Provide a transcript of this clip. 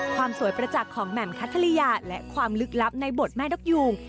ความสวยประจักษ์ของแหม่มคัทธริยาและความลึกลับในบทแม่นกยูง